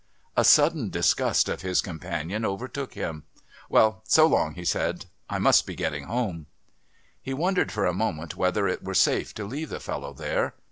A sudden disgust of his companion overtook him. "Well, so long," he said. "I must be getting home!" He wondered for a moment whether it were safe to leave the fellow there.